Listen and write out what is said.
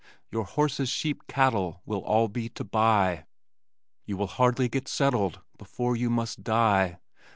Your horses, sheep, cattle will all be to buy, You will hardly get settled before you must die.